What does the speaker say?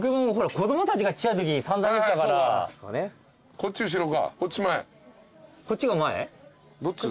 こっち後ろ？